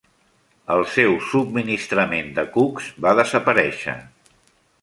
El seu subministrament de cucs va desaparèixer.